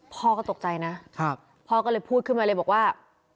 พ่อก็ตกใจนะพ่อก็เลยพูดขึ้นมาเลยบอกว่า